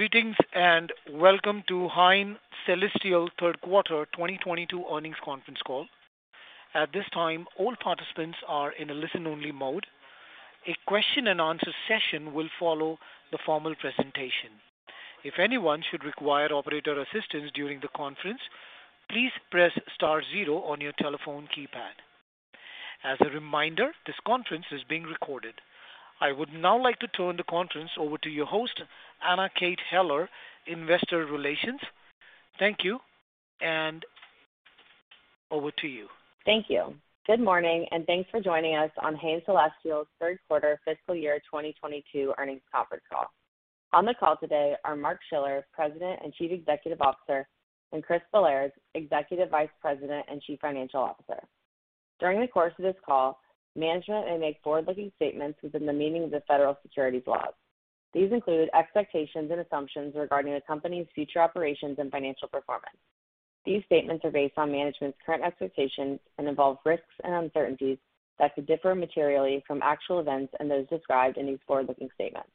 Greetings, and welcome to Hain Celestial third quarter 2022 earnings conference call. At this time, all participants are in a listen-only mode. A question and answer session will follow the formal presentation. If anyone should require operator assistance during the conference, please press star zero on your telephone keypad. As a reminder, this conference is being recorded. I would now like to turn the conference over to your host, Anna Kate Heller, Investor Relations. Thank you, and over to you. Thank you. Good morning, and thanks for joining us on Hain Celestial's third-quarter fiscal year 2022 earnings conference call. On the call today are Mark Schiller, President and Chief Executive Officer, and Chris Bellairs, Executive Vice President and Chief Financial Officer. During the course of this call, management may make forward-looking statements within the meaning of the federal securities laws. These include expectations and assumptions regarding the company's future operations and financial performance. These statements are based on management's current expectations and involve risks and uncertainties that could differ materially from actual events and those described in these forward-looking statements.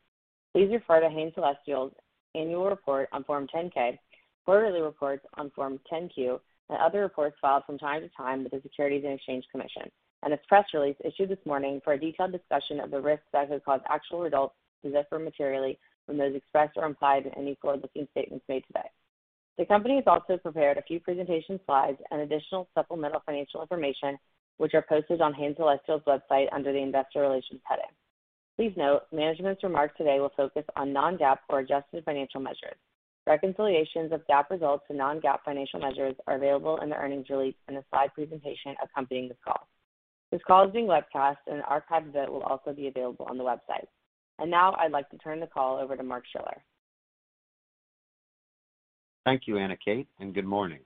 Please refer to Hain Celestial's annual report on Form 10-K, quarterly reports on Form 10-Q, and other reports filed from time to time with the Securities and Exchange Commission, and its press release issued this morning for a detailed discussion of the risks that could cause actual results to differ materially from those expressed or implied in any forward-looking statements made today. The company has also prepared a few presentation slides and additional supplemental financial information, which are posted on Hain Celestial's website under the Investor Relations heading. Please note management's remarks today will focus on non-GAAP or adjusted financial measures. Reconciliations of GAAP results to non-GAAP financial measures are available in the earnings release and the slide presentation accompanying this call. This call is being webcast, and an archive of it will also be available on the website. Now I'd like to turn the call over to Mark Schiller. Thank you, Anna Kate, and good morning.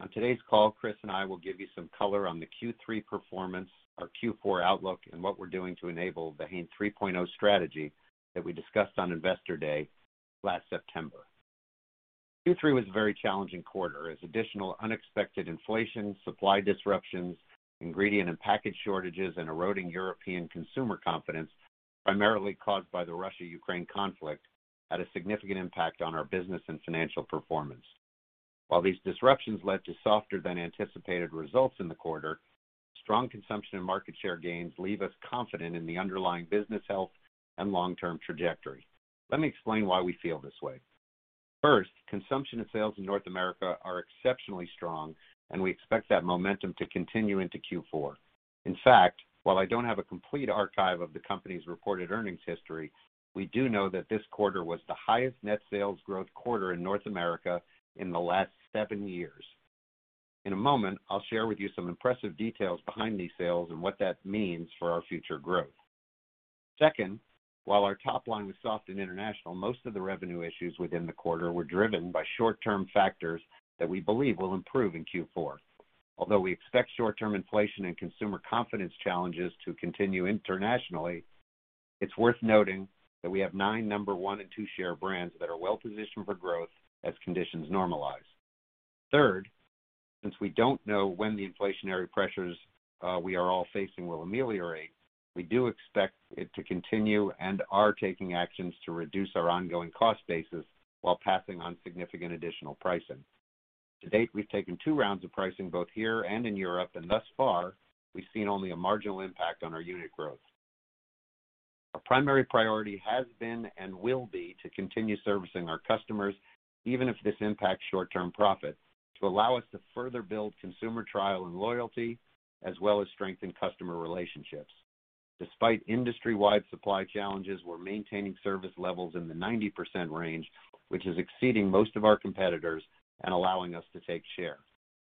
On today's call, Chris and I will give you some color on the Q3 performance, our Q4 outlook, and what we're doing to enable the Hain 3.0 strategy that we discussed on Investor Day last September. Q3 was a very challenging quarter as additional unexpected inflation, supply disruptions, ingredient and package shortages, and eroding European consumer confidence, primarily caused by the Russia-Ukraine conflict, had a significant impact on our business and financial performance. While these disruptions led to softer-than-anticipated results in the quarter, strong consumption and market share gains leave us confident in the underlying business health and long-term trajectory. Let me explain why we feel this way. First, consumption and sales in North America are exceptionally strong, and we expect that momentum to continue into Q4. In fact, while I don't have a complete archive of the company's reported earnings history, we do know that this quarter was the highest net sales growth quarter in North America in the last seven years. In a moment, I'll share with you some impressive details behind these sales and what that means for our future growth. Second, while our top line was soft in international, most of the revenue issues within the quarter were driven by short-term factors that we believe will improve in Q4. Although we expect short-term inflation and consumer confidence challenges to continue internationally, it's worth noting that we have 9 number one and two share brands that are well-positioned for growth as conditions normalize. Third, since we don't know when the inflationary pressures we are all facing will ameliorate, we do expect it to continue and are taking actions to reduce our ongoing cost basis while passing on significant additional pricing. To date, we've taken two rounds of pricing, both here and in Europe, and thus far, we've seen only a marginal impact on our unit growth. Our primary priority has been and will be to continue servicing our customers, even if this impacts short-term profits, to allow us to further build consumer trial and loyalty, as well as strengthen customer relationships. Despite industry-wide supply challenges, we're maintaining service levels in the 90% range, which is exceeding most of our competitors and allowing us to take share.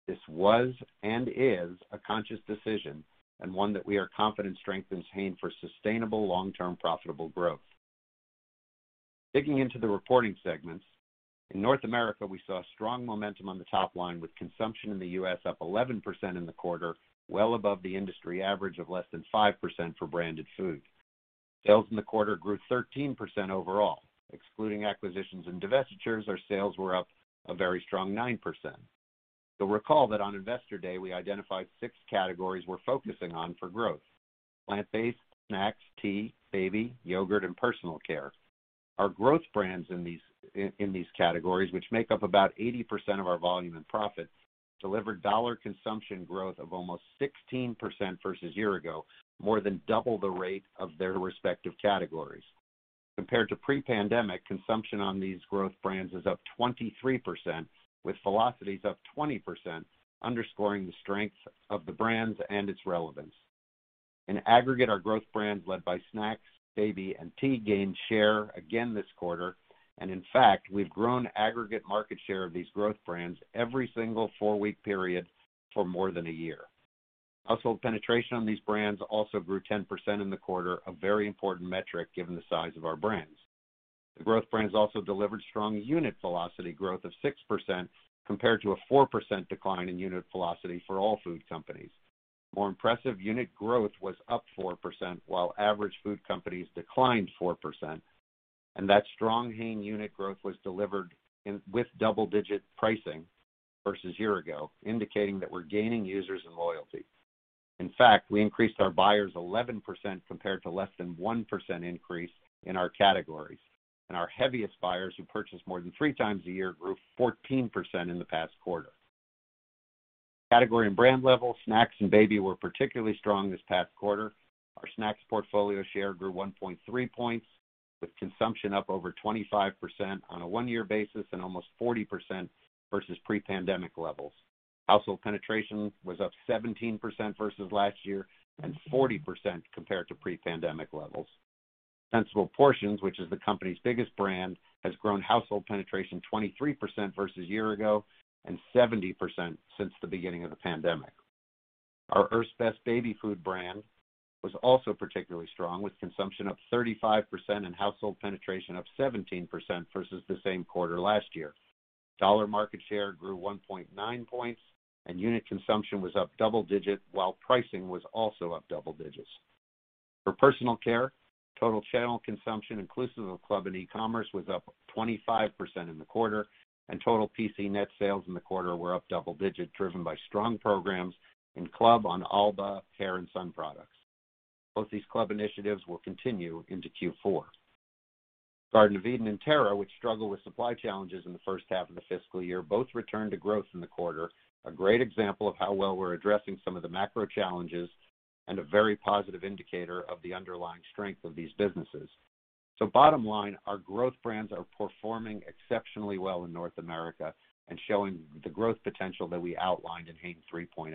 This was and is a conscious decision, and one that we are confident strengthens Hain for sustainable long-term profitable growth. Digging into the reporting segments, in North America, we saw strong momentum on the top line with consumption in the U.S. up 11% in the quarter, well above the industry average of less than 5% for branded food. Sales in the quarter grew 13% overall. Excluding acquisitions and divestitures, our sales were up a very strong 9%. You'll recall that on Investor Day, we identified six categories we're focusing on for growth: plant-based, Snacks, Tea, Baby, Yogurt, and Personal Care. Our growth brands in these categories, which make up about 80% of our volume and profit, delivered dollar consumption growth of almost 16% versus year ago, more than double the rate of their respective categories. Compared to pre-pandemic, consumption on these growth brands is up 23%, with velocities up 20%, underscoring the strength of the brands and its relevance. In aggregate, our growth brands, led by Snacks, Baby, and Tea, gained share again this quarter. In fact, we've grown aggregate market share of these growth brands every single four-week period for more than a year. Household penetration on these brands also grew 10% in the quarter, a very important metric given the size of our brands. The growth brands also delivered strong unit velocity growth of 6% compared to a 4% decline in unit velocity for all food companies. More impressive, unit growth was up 4%, while average food companies declined 4%, and that strong Hain unit growth was delivered with double-digit pricing versus year ago, indicating that we're gaining users and loyalty. In fact, we increased our buyers 11% compared to less than 1% increase in our categories. Our heaviest buyers, who purchase more than 3 times a year, grew 14% in the past quarter. Category and brand level, Snacks and Baby were particularly strong this past quarter. Our Snacks portfolio share grew 1.3 points, with consumption up over 25% on a one-year basis and almost 40% versus pre-pandemic levels. Household penetration was up 17% versus last year and 40% compared to pre-pandemic levels. Sensible Portions, which is the company's biggest brand, has grown household penetration 23% versus year ago and 70% since the beginning of the pandemic. Our Earth's Best baby food brand was also particularly strong, with consumption up 35% and household penetration up 17% versus the same quarter last year. Dollar market share grew 1.9 points, and unit consumption was up double digits, while pricing was also up double digits. For personal care, total channel consumption, inclusive of club and e-commerce, was up 25% in the quarter, and total PC net sales in the quarter were up double-digit, driven by strong programs in club on Alba hair and sun products. Both these club initiatives will continue into Q4. Garden of Eatin' and TERRA, which struggled with supply challenges in the first half of the fiscal year, both returned to growth in the quarter, a great example of how well we're addressing some of the macro challenges and a very positive indicator of the underlying strength of these businesses. Bottom line, our growth brands are performing exceptionally well in North America and showing the growth potential that we outlined in Hain 3.0.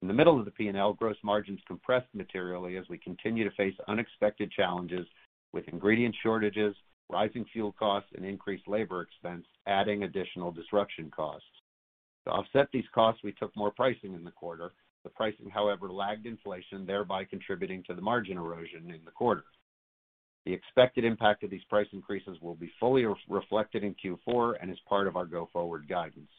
In the middle of the P&L, gross margins compressed materially as we continue to face unexpected challenges with ingredient shortages, rising fuel costs, and increased labor expense, adding additional disruption costs. To offset these costs, we took more pricing in the quarter. The pricing, however, lagged inflation, thereby contributing to the margin erosion in the quarter. The expected impact of these price increases will be fully reflected in Q4 and is part of our go-forward guidance.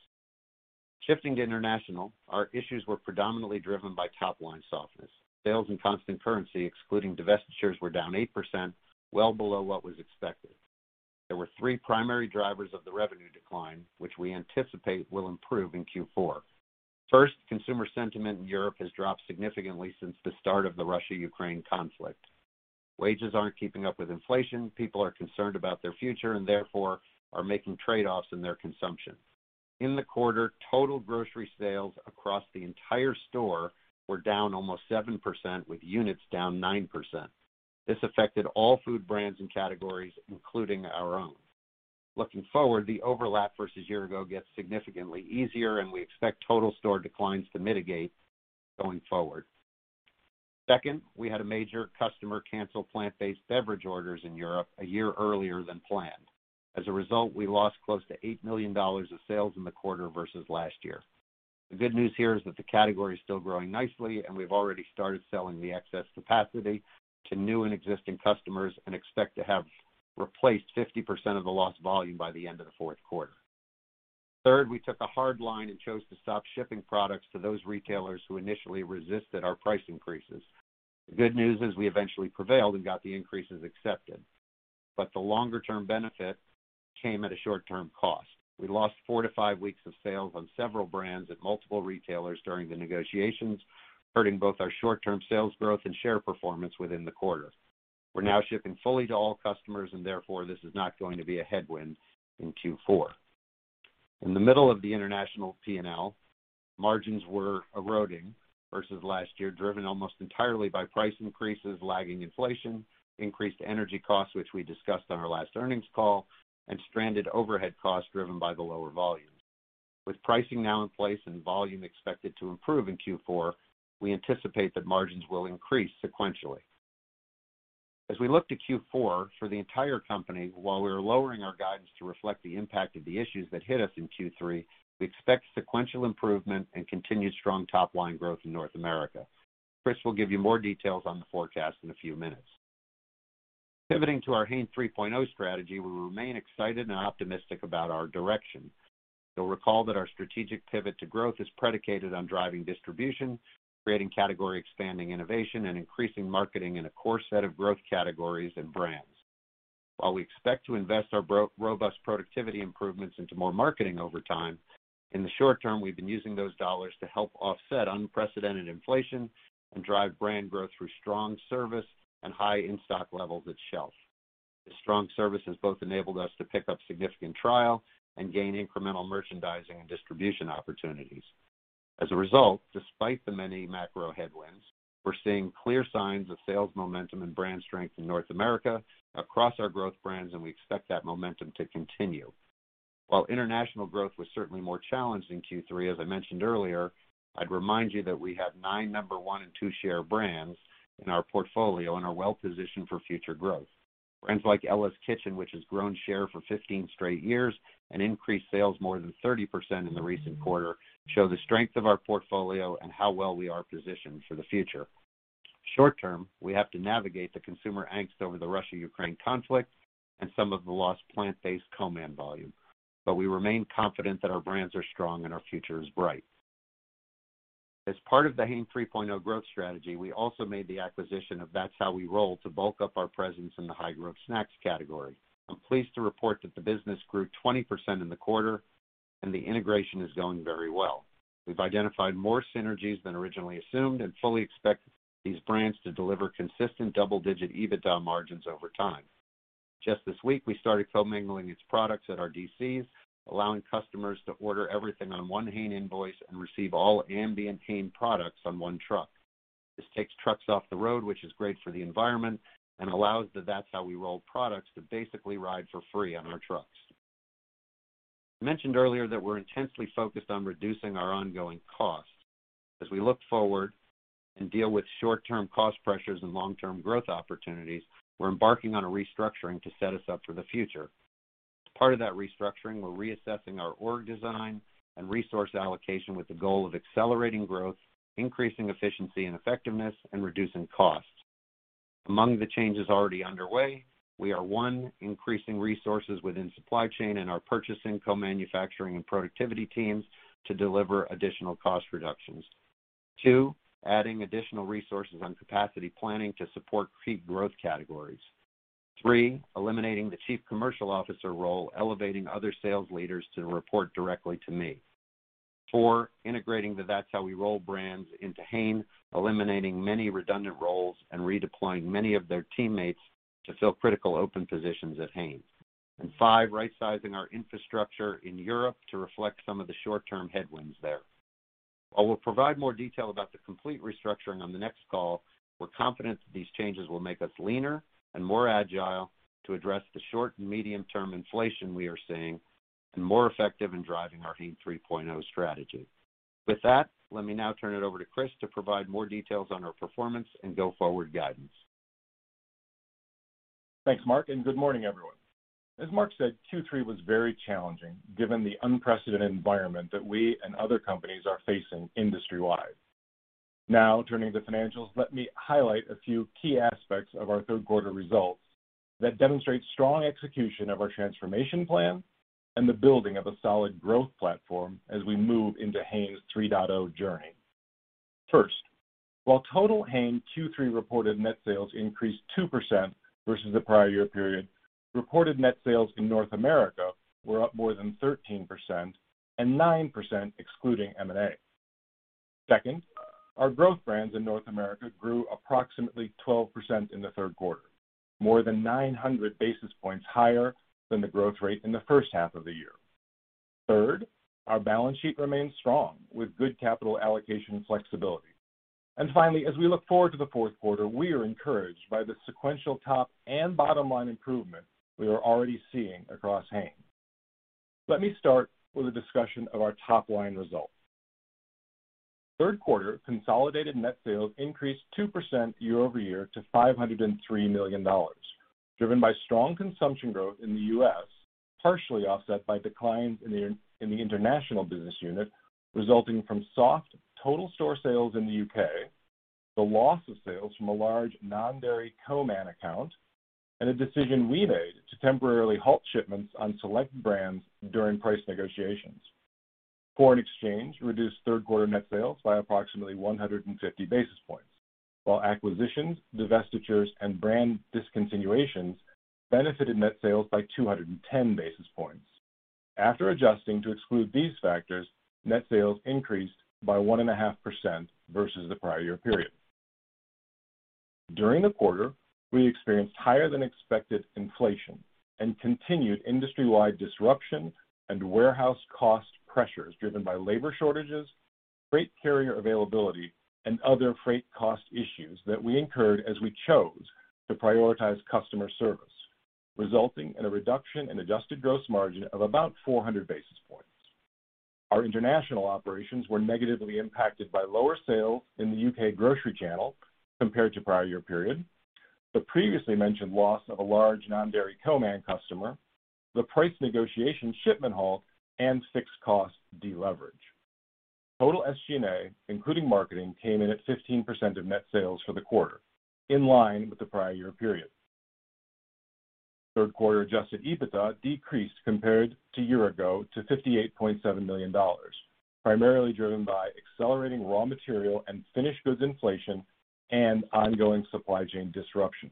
Shifting to international, our issues were predominantly driven by top-line softness. Sales in constant currency, excluding divestitures, were down 8%, well below what was expected. There were three primary drivers of the revenue decline, which we anticipate will improve in Q4. First, consumer sentiment in Europe has dropped significantly since the start of the Russia-Ukraine conflict. Wages aren't keeping up with inflation, people are concerned about their future, and therefore are making trade-offs in their consumption. In the quarter, total grocery sales across the entire store were down almost 7%, with units down 9%. This affected all food brands and categories, including our own. Looking forward, the overlap versus year ago gets significantly easier and we expect total store declines to mitigate going forward. Second, we had a major customer cancel plant-based beverage orders in Europe a year earlier than planned. As a result, we lost close to $8 million of sales in the quarter versus last year. The good news here is that the category is still growing nicely and we've already started selling the excess capacity to new and existing customers and expect to have replaced 50% of the lost volume by the end of the fourth quarter. Third, we took a hard line and chose to stop shipping products to those retailers who initially resisted our price increases. The good news is we eventually prevailed and got the increases accepted, but the longer-term benefit came at a short-term cost. We lost 4-5 weeks of sales on several brands at multiple retailers during the negotiations, hurting both our short-term sales growth and share performance within the quarter. We're now shipping fully to all customers, and therefore, this is not going to be a headwind in Q4. In the middle of the international P&L, margins were eroding versus last year, driven almost entirely by price increases lagging inflation, increased energy costs, which we discussed on our last earnings call, and stranded overhead costs driven by the lower volumes. With pricing now in place and volume expected to improve in Q4, we anticipate that margins will increase sequentially. As we look to Q4, for the entire company, while we are lowering our guidance to reflect the impact of the issues that hit us in Q3, we expect sequential improvement and continued strong top-line growth in North America. Chris will give you more details on the forecast in a few minutes. Pivoting to our Hain 3.0 strategy, we remain excited and optimistic about our direction. You'll recall that our strategic pivot to growth is predicated on driving distribution, creating category-expanding innovation, and increasing marketing in a core set of growth categories and brands. While we expect to invest our robust productivity improvements into more marketing over time, in the short term, we've been using those dollars to help offset unprecedented inflation and drive brand growth through strong service and high in-stock levels at shelf. The strong service has both enabled us to pick up significant trial and gain incremental merchandising and distribution opportunities. As a result, despite the many macro headwinds, we're seeing clear signs of sales momentum and brand strength in North America across our growth brands, and we expect that momentum to continue. While international growth was certainly more challenged in Q3, as I mentioned earlier, I'd remind you that we have nine number one and two share brands in our portfolio and are well-positioned for future growth. Brands like Ella's Kitchen, which has grown share for 15 straight years and increased sales more than 30% in the recent quarter, show the strength of our portfolio and how well we are positioned for the future. Short term, we have to navigate the consumer angst over the Russia-Ukraine conflict and some of the lost plant-based demand volume, but we remain confident that our brands are strong and our future is bright. As part of the Hain 3.0 growth strategy, we also made the acquisition of That's How We Roll to bulk up our presence in the high-growth Snacks category. I'm pleased to report that the business grew 20% in the quarter and the integration is going very well. We've identified more synergies than originally assumed and fully expect these brands to deliver consistent double-digit EBITDA margins over time. Just this week, we started co-mingling its products at our DCs, allowing customers to order everything on one Hain invoice and receive all ambient Hain products on one truck. This takes trucks off the road, which is great for the environment and allows the That's How We Roll products to basically ride for free on our trucks. I mentioned earlier that we're intensely focused on reducing our ongoing costs. As we look forward and deal with short-term cost pressures and long-term growth opportunities, we're embarking on a restructuring to set us up for the future. As part of that restructuring, we're reassessing our org design and resource allocation with the goal of accelerating growth, increasing efficiency and effectiveness, and reducing costs. Among the changes already underway, we are, one, increasing resources within supply chain and our purchasing, co-manufacturing, and productivity teams to deliver additional cost reductions. Two, adding additional resources on capacity planning to support key growth categories. Three, eliminating the chief commercial officer role, elevating other sales leaders to report directly to me. Four, integrating the That's How We Roll brands into Hain, eliminating many redundant roles, and redeploying many of their teammates to fill critical open positions at Hain. Five, rightsizing our infrastructure in Europe to reflect some of the short-term headwinds there. While we'll provide more detail about the complete restructuring on the next call, we're confident that these changes will make us leaner and more agile to address the short and medium-term inflation we are seeing, and more effective in driving our Hain 3.0 strategy. With that, let me now turn it over to Chris to provide more details on our performance and go-forward guidance. Thanks, Mark, and good morning, everyone. As Mark said, Q3 was very challenging given the unprecedented environment that we and other companies are facing industry-wide. Now turning to financials, let me highlight a few key aspects of our third quarter results that demonstrate strong execution of our transformation plan and the building of a solid growth platform as we move into Hain 3.0 journey. First, while total Hain Q3 reported net sales increased 2% versus the prior year period, reported net sales in North America were up more than 13% and 9% excluding M&A. Second, our growth brands in North America grew approximately 12% in the third quarter, more than 900 basis points higher than the growth rate in the first half of the year. Third, our balance sheet remains strong with good capital allocation flexibility. Finally, as we look forward to the fourth quarter, we are encouraged by the sequential top and bottom-line improvement we are already seeing across Hain. Let me start with a discussion of our top-line results. Third quarter consolidated net sales increased 2% year-over-year to $503 million, driven by strong consumption growth in the U.S., partially offset by declines in the international business unit, resulting from soft total store sales in the U.K., the loss of sales from a large non-dairy co-man account, and a decision we made to temporarily halt shipments on select brands during price negotiations. Foreign exchange reduced third quarter net sales by approximately 150 basis points, while acquisitions, divestitures, and brand discontinuations benefited net sales by 210 basis points. After adjusting to exclude these factors, net sales increased by 1.5% versus the prior year period. During the quarter, we experienced higher than expected inflation and continued industry-wide disruption and warehouse cost pressures driven by labor shortages, freight carrier availability, and other freight cost issues that we incurred as we chose to prioritize customer service, resulting in a reduction in adjusted gross margin of about 400 basis points. Our international operations were negatively impacted by lower sales in the U.K. grocery channel compared to prior year period, the previously mentioned loss of a large non-dairy co-man customer, the price negotiation shipment halt, and fixed cost deleverage. Total SG&A, including marketing, came in at 15% of net sales for the quarter, in line with the prior year period. Third quarter adjusted EBITDA decreased compared to a year ago to $58.7 million, primarily driven by accelerating raw material and finished goods inflation and ongoing supply chain disruptions,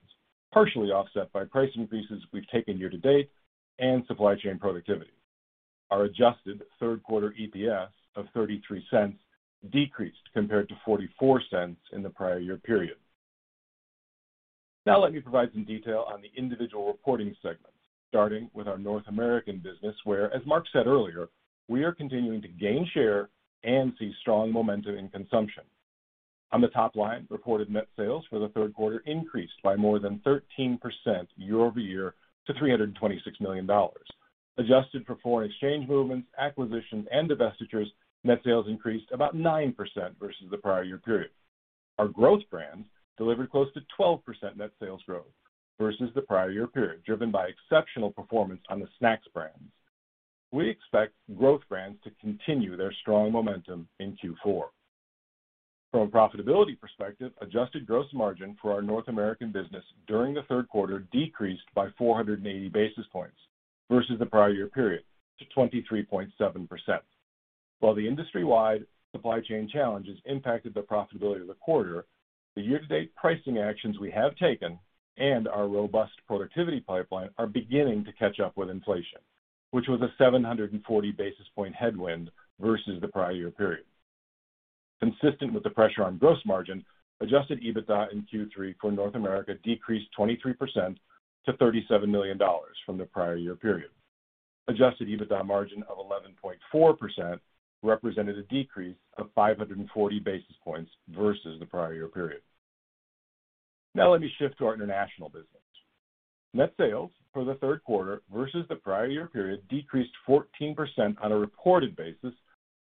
partially offset by price increases we've taken year to date and supply chain productivity. Our adjusted third quarter EPS of $0.33 decreased compared to $0.44 in the prior year period. Now let me provide some detail on the individual reporting segments, starting with our North American business, where, as Mark said earlier, we are continuing to gain share and see strong momentum in consumption. On the top line, reported net sales for the third quarter increased by more than 13% year-over-year to $326 million. Adjusted for foreign exchange movements, acquisitions, and divestitures, net sales increased about 9% versus the prior year period. Our growth brands delivered close to 12% net sales growth versus the prior year period, driven by exceptional performance on the Snacks brands. We expect growth brands to continue their strong momentum in Q4. From a profitability perspective, adjusted gross margin for our North American business during the third quarter decreased by 480 basis points versus the prior year period to 23.7%. While the industry-wide supply chain challenges impacted the profitability of the quarter, the year-to-date pricing actions we have taken and our robust productivity pipeline are beginning to catch up with inflation, which was a 740 basis point headwind versus the prior year period. Consistent with the pressure on gross margin, adjusted EBITDA in Q3 for North America decreased 23% to $37 million from the prior year period. Adjusted EBITDA margin of 11.4% represented a decrease of 540 basis points versus the prior year period. Now, let me shift to our international business. Net sales for the third quarter versus the prior year period decreased 14% on a reported basis,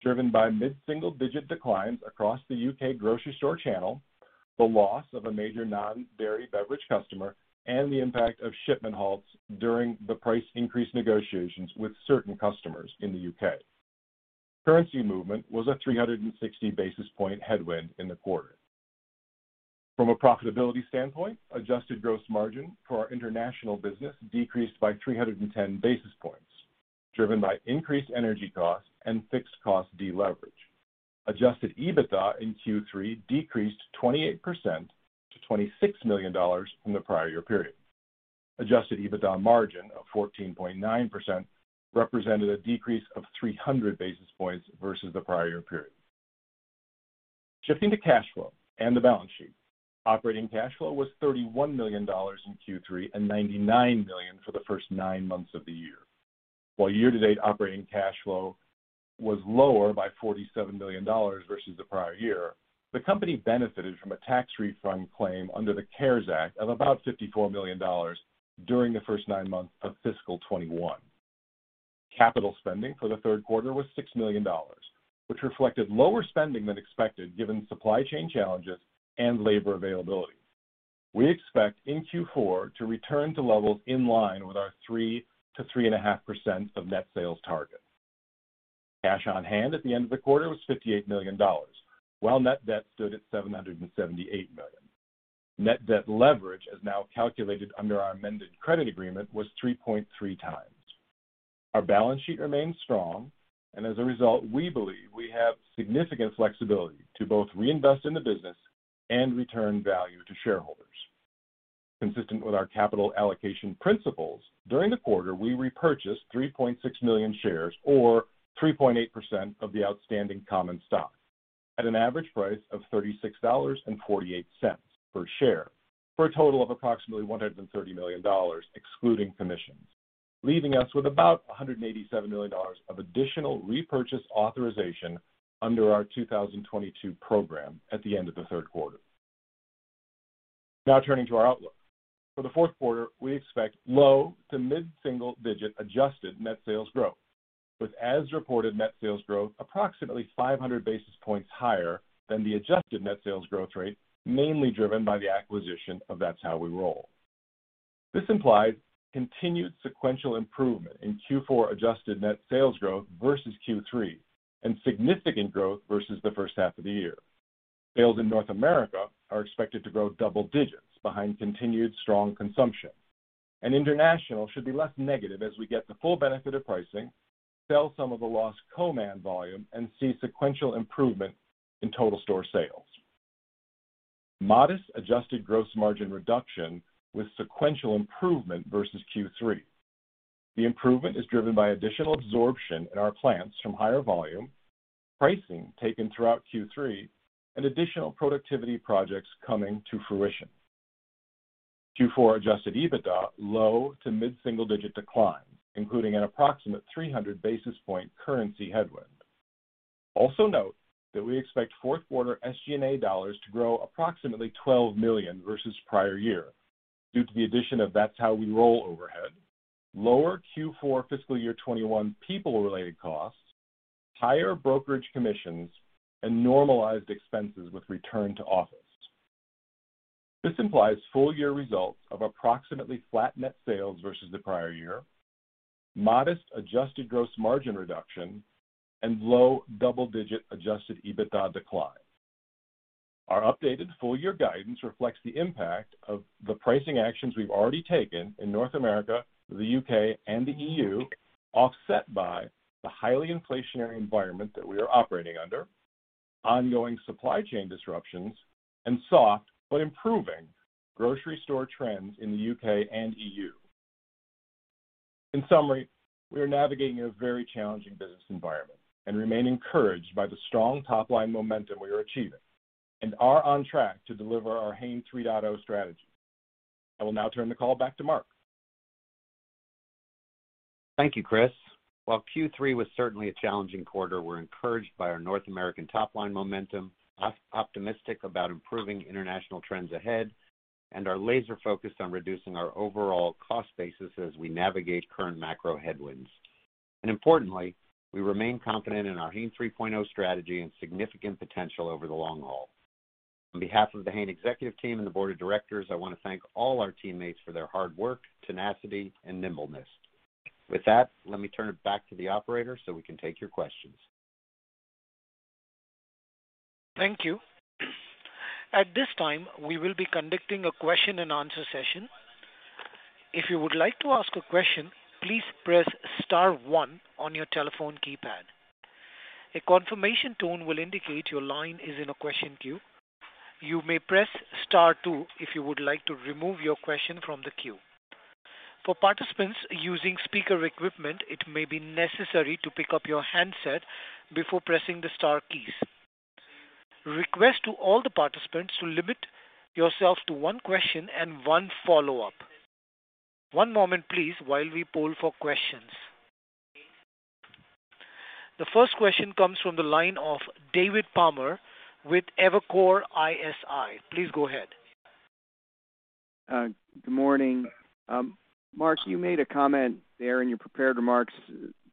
driven by mid-single-digit declines across the U.K. grocery store channel, the loss of a major non-dairy beverage customer and the impact of shipment halts during the price increase negotiations with certain customers in the U.K. Currency movement was a 360 basis point headwind in the quarter. From a profitability standpoint, adjusted gross margin for our international business decreased by 310 basis points, driven by increased energy costs and fixed cost deleverage. Adjusted EBITDA in Q3 decreased 28% to $26 million from the prior year period. Adjusted EBITDA margin of 14.9% represented a decrease of 300 basis points versus the prior year period. Shifting to cash flow and the balance sheet. Operating cash flow was $31 million in Q3 and $99 million for the first nine months of the year. While year-to-date operating cash flow was lower by $47 million versus the prior year, the company benefited from a tax refund claim under the CARES Act of about $54 million during the first nine months of fiscal 2021. Capital spending for the third quarter was $6 million, which reflected lower spending than expected given supply chain challenges and labor availability. We expect in Q4 to return to levels in line with our 3%-3.5% of net sales targets. Cash on hand at the end of the quarter was $58 million, while net debt stood at $778 million. Net debt leverage, now calculated under our amended credit agreement, was 3.3x. Our balance sheet remains strong, and as a result, we believe we have significant flexibility to both reinvest in the business and return value to shareholders. Consistent with our capital allocation principles, during the quarter, we repurchased 3.6 million shares or 3.8% of the outstanding common stock at an average price of $36.48 per share for a total of approximately $130 million, excluding commissions, leaving us with about $187 million of additional repurchase authorization under our 2022 program at the end of the third quarter. Now turning to our outlook. For the fourth quarter, we expect low- to mid-single-digit adjusted net sales growth, with as-reported net sales growth approximately 500 basis points higher than the adjusted net sales growth rate, mainly driven by the acquisition of That's How We Roll. This implies continued sequential improvement in Q4 adjusted net sales growth versus Q3 and significant growth versus the first half of the year. Sales in North America are expected to grow double digits behind continued strong consumption, and international should be less negative as we get the full benefit of pricing, sell some of the lost co-man volume, and see sequential improvement in total store sales. Modest adjusted gross margin reduction with sequential improvement versus Q3. The improvement is driven by additional absorption in our plants from higher volume, pricing taken throughout Q3, and additional productivity projects coming to fruition. Q4 adjusted EBITDA low to mid-single-digit decline, including an approximate 300 basis point currency headwind. Also note that we expect fourth quarter SG&A dollars to grow approximately $12 million versus prior year due to the addition of That's How We Roll overhead, lower Q4 fiscal year 2021 people-related costs, higher brokerage commissions, and normalized expenses with return to office. This implies full year results of approximately flat net sales versus the prior year, modest adjusted gross margin reduction, and low double-digit adjusted EBITDA decline. Our updated full year guidance reflects the impact of the pricing actions we've already taken in North America, the U.K., and the EU, offset by the highly inflationary environment that we are operating under, ongoing supply chain disruptions, and soft but improving grocery store trends in the U.K. and EU. In summary, we are navigating a very challenging business environment and remain encouraged by the strong top-line momentum we are achieving and are on track to deliver our Hain 3.0 strategy. I will now turn the call back to Mark. Thank you, Chris. While Q3 was certainly a challenging quarter, we're encouraged by our North American top-line momentum, optimistic about improving international trends ahead, and are laser-focused on reducing our overall cost basis as we navigate current macro headwinds. Importantly, we remain confident in our Hain 3.0 strategy and significant potential over the long haul. On behalf of the Hain executive team and the Board of Directors, I want to thank all our teammates for their hard work, tenacity, and nimbleness. With that, let me turn it back to the operator, so we can take your questions. Thank you. At this time, we will be conducting a question-and-answer session. If you would like to ask a question, please press star one on your telephone keypad. A confirmation tone will indicate your line is in a question queue. You may press star two if you would like to remove your question from the queue. For participants using speaker equipment, it may be necessary to pick up your handset before pressing the star keys. Request to all the participants to limit yourself to one question and one follow-up. One moment, please, while we poll for questions. The first question comes from the line of David Palmer with Evercore ISI. Please go ahead. Good morning. Mark, you made a comment there in your prepared remarks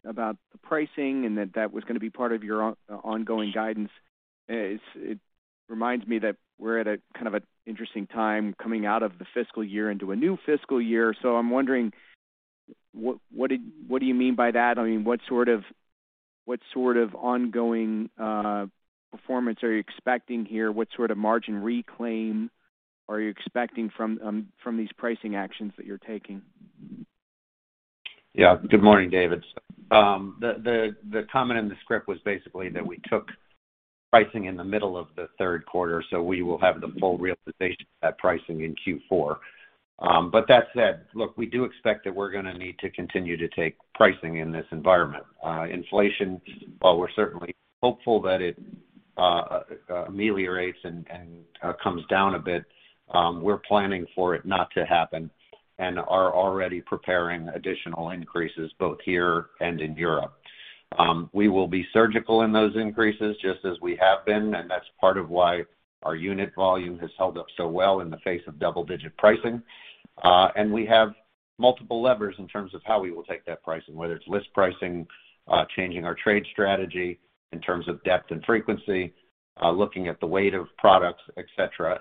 about the pricing, and that was gonna be part of your ongoing guidance. It reminds me that we're at a kind of an interesting time coming out of the fiscal year into a new fiscal year. I'm wondering: what do you mean by that? I mean, what sort of ongoing performance are you expecting here? What sort of margin reclaim are you expecting from these pricing actions that you're taking? Yeah. Good morning, David. The comment in the script was basically that we took pricing in the middle of the third quarter, so we will have the full realization of that pricing in Q4. But that said, look, we do expect that we're gonna need to continue to take pricing in this environment. Inflation, while we're certainly hopeful that it ameliorates and comes down a bit, we're planning for it not to happen and are already preparing additional increases both here and in Europe. We will be surgical in those increases, just as we have been, and that's part of why our unit volume has held up so well in the face of double-digit pricing. We have multiple levers in terms of how we will take that pricing, whether it's list pricing, changing our trade strategy in terms of depth and frequency, looking at the weight of products, et cetera.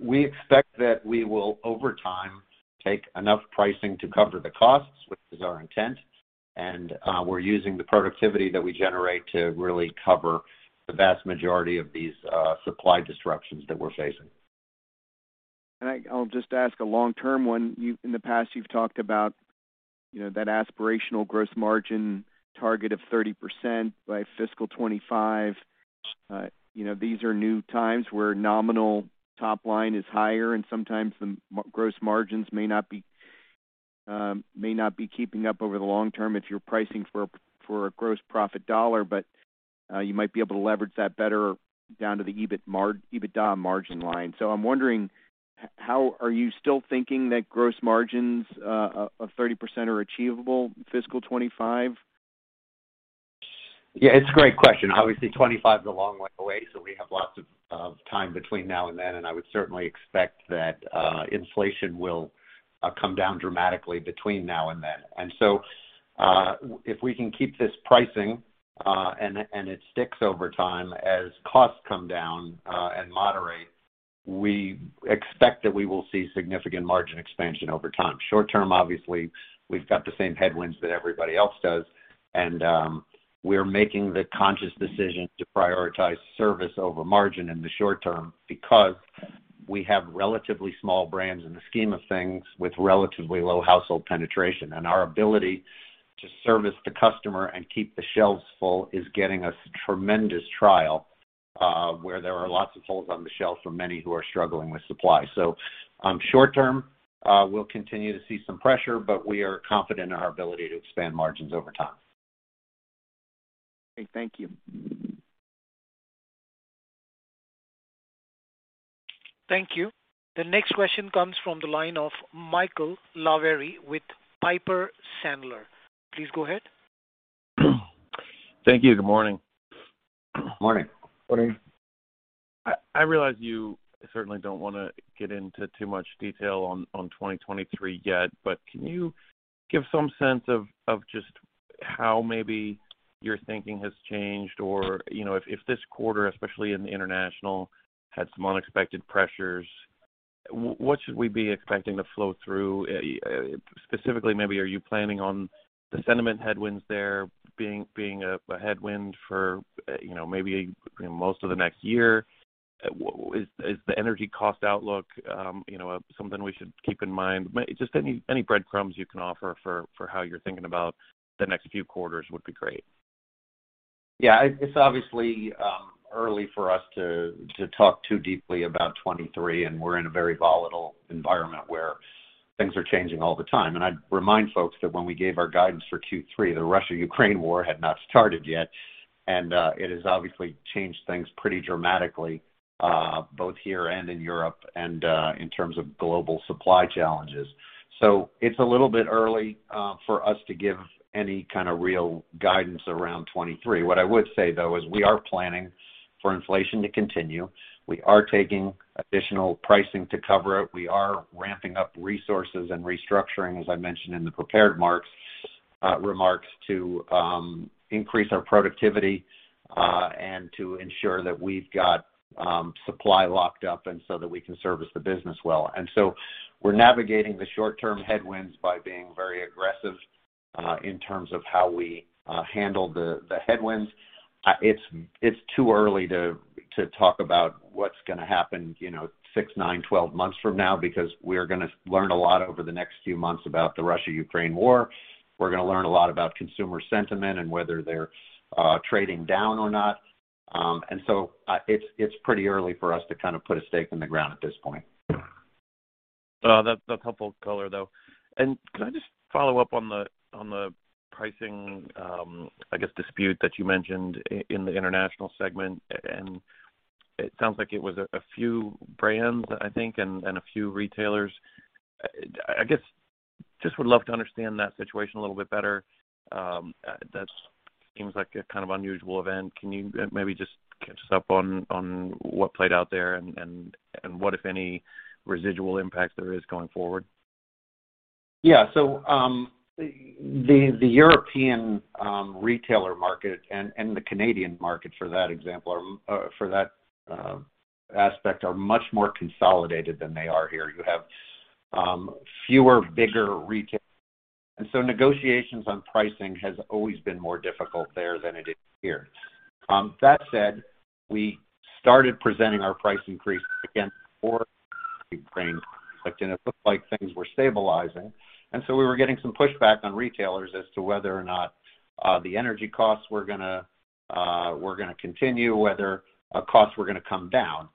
We expect that we will, over time, take enough pricing to cover the costs, which is our intent, and we're using the productivity that we generate to really cover the vast majority of these supply disruptions that we're facing. I'll just ask a long-term one. In the past, you've talked about that aspirational gross margin target of 30% by fiscal 2025. These are new times where nominal top line is higher, and sometimes gross margins may not be keeping up over the long term if you're pricing for a gross profit dollar, but you might be able to leverage that better down to the EBITDA margin line. I'm wondering, how are you still thinking that gross margins of 30% are achievable fiscal 2025? Yeah, it's a great question. Obviously, 2025 is a long way away, so we have lots of time between now and then, and I would certainly expect that inflation will come down dramatically between now and then. If we can keep this pricing, and it sticks over time as costs come down and moderate, we expect that we will see significant margin expansion over time. Short term, obviously, we've got the same headwinds that everybody else does, and we're making the conscious decision to prioritize service over margin in the short term because we have relatively small brands in the scheme of things with relatively low household penetration. Our ability to service the customer and keep the shelves full is getting us tremendous trial, where there are lots of holes on the shelf for many who are struggling with supply. Short term, we'll continue to see some pressure, but we are confident in our ability to expand margins over time. Okay. Thank you. Thank you. The next question comes from the line of Michael Lavery with Piper Sandler. Please go ahead. Thank you. Good morning. Morning. Morning. I realize you certainly don't wanna get into too much detail on 2023 yet, but can you give some sense of just how maybe your thinking has changed, or, if this quarter, especially in the international, had some unexpected pressures, what should we be expecting to flow through? Specifically, maybe, are you planning on the sentiment headwinds there being a headwind for maybe most of the next year? Is the energy cost outlook something we should keep in mind? Just any breadcrumbs you can offer for how you're thinking about the next few quarters would be great. Yeah. It's obviously early for us to talk too deeply about 2023, and we're in a very volatile environment where things are changing all the time. I'd remind folks that when we gave our guidance for Q3, the Russia-Ukraine war had not started yet, and it has obviously changed things pretty dramatically, both here and in Europe and in terms of global supply challenges. It's a little bit early for us to give any kind of real guidance around 2023. What I would say, though, is we are planning for inflation to continue. We are taking additional pricing to cover it. We are ramping up resources and restructuring, as I mentioned in the prepared remarks, to increase our productivity, and to ensure that we've got supply locked up and so that we can service the business well. We're navigating the short-term headwinds by being very aggressive in terms of how we handle the headwinds. It's too early to talk about what's gonna happen, you know, six, nine, 12 months from now because we're gonna learn a lot over the next few months about the Russia-Ukraine war. We're gonna learn a lot about consumer sentiment and whether they're trading down or not. It's pretty early for us to kind of put a stake in the ground at this point. That helpful color, though. Can I just follow up on the pricing, I guess, dispute that you mentioned in the international segment? It sounds like it was a few brands, I think, and a few retailers. I guess just would love to understand that situation a little bit better. That seems like a kind of unusual event. Can you maybe just catch us up on what played out there and what, if any, residual impact there is going forward? Yeah. So, the European retailer market and the Canadian market, for that example, for that aspect, are much more consolidated than they are here. You have fewer, bigger retailers. Negotiations on pricing has always been more difficult there than it is here. That said, we started presenting our price increase again before Ukraine conflict, and it looked like things were stabilizing. We were getting some pushback on retailers as to whether or not the energy costs were gonna continue, whether costs were gonna come down.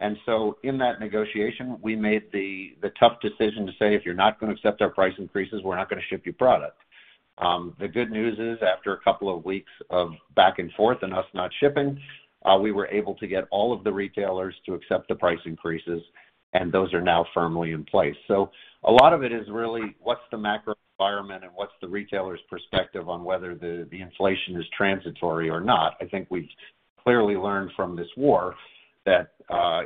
In that negotiation, we made the tough decision to say, "If you're not gonna accept our price increases, we're not gonna ship you product." The good news is after a couple of weeks of back and forth and us not shipping, we were able to get all of the retailers to accept the price increases, and those are now firmly in place. A lot of it is really what's the macro environment and what's the retailer's perspective on whether the inflation is transitory or not. I think we've clearly learned from this war that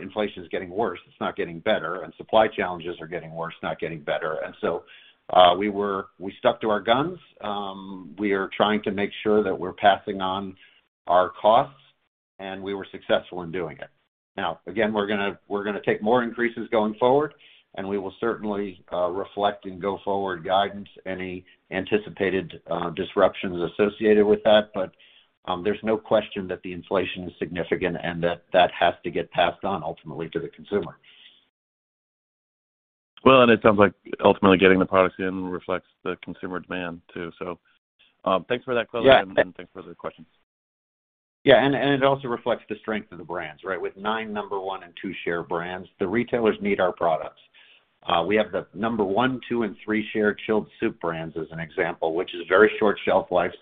inflation is getting worse, it's not getting better, and supply challenges are getting worse, not getting better. We stuck to our guns. We are trying to make sure that we're passing on our costs, and we were successful in doing it. Now, again, we're gonna take more increases going forward, and we will certainly reflect in go-forward guidance any anticipated disruptions associated with that. There's no question that the inflation is significant and that that has to get passed on ultimately to the consumer. It sounds like ultimately getting the products in reflects the consumer demand, too. Thanks for that color. Yeah. Thanks for the question. Yeah. It also reflects the strength of the brands, right? With nine number one and two share brands, the retailers need our products. We have the number one, two, and three share chilled soup brands as an example, which is very short shelf life.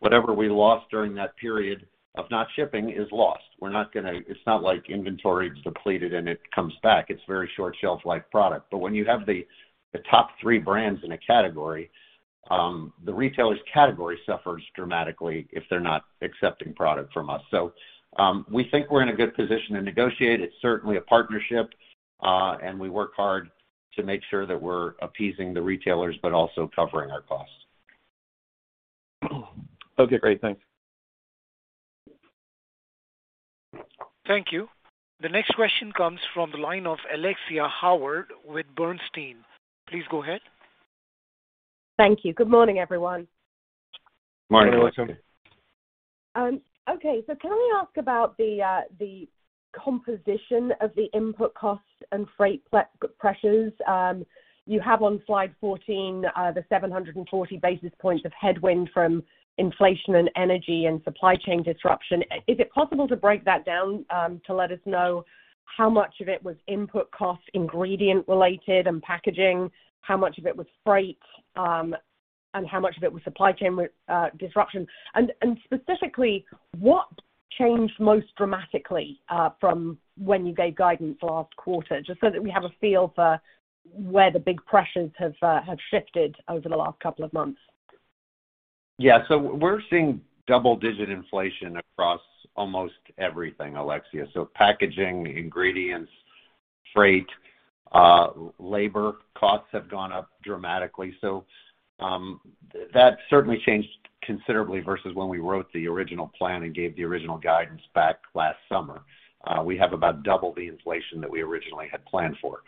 Whatever we lost during that period of not shipping is lost. It's not like inventory depleted, and it comes back. It's very short shelf life product. But when you have the top three brands in a category, the retailer's category suffers dramatically if they're not accepting product from us. We think we're in a good position to negotiate. It's certainly a partnership, and we work hard to make sure that we're appeasing the retailers, but also covering our costs. Okay, great. Thanks. Thank you. The next question comes from the line of Alexia Howard with Bernstein. Please go ahead. Thank you. Good morning, everyone. Morning, Alexia. Good morning. Okay. Can we ask about the composition of the input costs and freight price pressures? You have on slide 14, the 740 basis points of headwind from inflation, and energy and supply chain disruption. Is it possible to break that down, to let us know how much of it was input costs, ingredient-related and packaging, how much of it was freight, and how much of it was supply chain disruption? Specifically, what changed most dramatically from when you gave guidance last quarter, just so that we have a feel for where the big pressures have shifted over the last couple of months? Yeah. We're seeing double-digit inflation across almost everything, Alexia. Packaging, ingredients, freight, labor costs have gone up dramatically. That certainly changed considerably versus when we wrote the original plan and gave the original guidance back last summer. We have about double the inflation that we originally had planned for.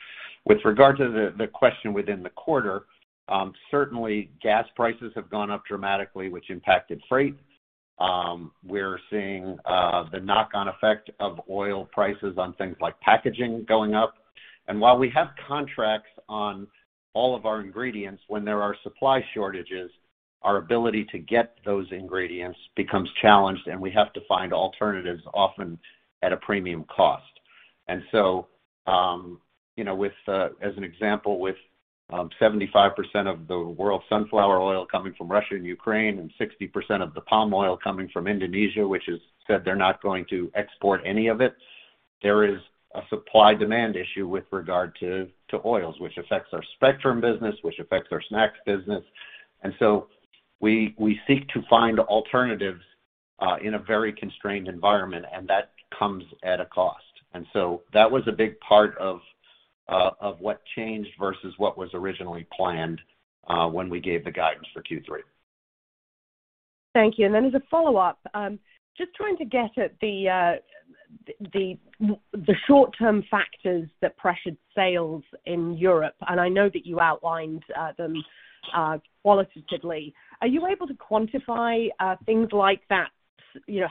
With regard to the question within the quarter, certainly, gas prices have gone up dramatically, which impacted freight. We're seeing the knock-on effect of oil prices on things like packaging going up. While we have contracts on all of our ingredients, when there are supply shortages, our ability to get those ingredients becomes challenged, and we have to find alternatives, often at a premium cost. As an example, with 75% of the world's sunflower oil coming from Russia and Ukraine and 60% of the palm oil coming from Indonesia, which has said they're not going to export any of it, there is a supply and demand issue with regard to oils, which affects our Spectrum business, which affects our Snacks business. We seek to find alternatives in a very constrained environment, and that comes at a cost. That was a big part of what changed versus what was originally planned when we gave the guidance for Q3. Thank you. As a follow-up, just trying to get at the short term factors that pressured sales in Europe, and I know that you outlined them qualitatively. Are you able to quantify things like that,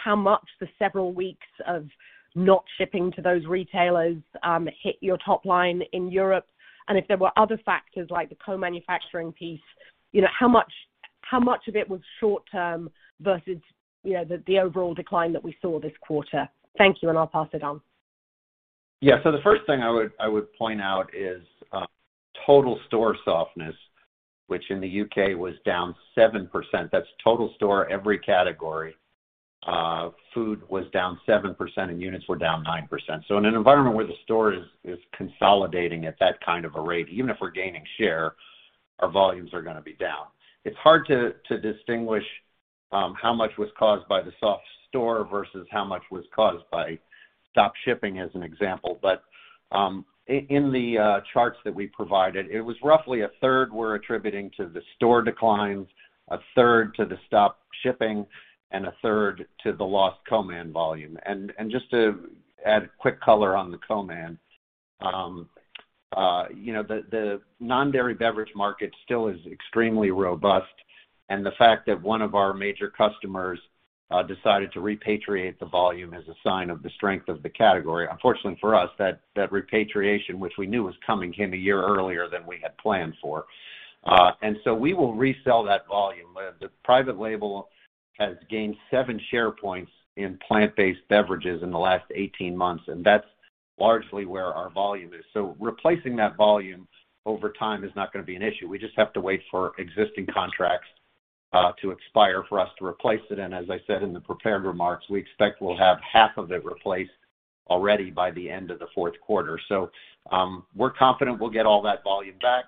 how much the several weeks of not shipping to those retailers hit your top line in Europe? If there were other factors like the co-manufacturing piece, how much of it was short term versus the overall decline that we saw this quarter? Thank you, and I'll pass it on. Yeah. The first thing I would point out is total store softness, which in the U.K. was down 7%. That's total store, every category. Food was down 7%, and units were down 9%. In an environment where the store is consolidating at that kind of a rate, even if we're gaining share, our volumes are gonna be down. It's hard to distinguish how much was caused by the soft store versus how much was caused by stop shipping as an example. In the charts that we provided, it was roughly a third we're attributing to the store declines, a third to the stop shipping, and a third to the lost co-man volume. Just to add quick color on the co-man, the non-dairy beverage market still is extremely robust, and the fact that one of our major customers decided to repatriate the volume is a sign of the strength of the category. Unfortunately for us, that repatriation, which we knew was coming, came a year earlier than we had planned for. We will resell that volume. The private label has gained seven share points in plant-based beverages in the last 18 months, and that's largely where our volume is. Replacing that volume over time is not gonna be an issue. We just have to wait for existing contracts to expire for us to replace it. As I said in the prepared remarks, we expect we'll have half of it replaced already by the end of the fourth quarter. We're confident we'll get all that volume back.